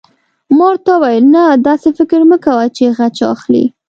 ما ورته وویل: نه، داسې فکر مه کوه چې غچ واخلې.